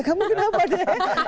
kamu kenapa deh